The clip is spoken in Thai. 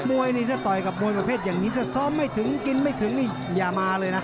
มวยนี่ถ้าต่อยกับมวยประเภทอย่างนี้ถ้าซ้อมไม่ถึงกินไม่ถึงนี่อย่ามาเลยนะ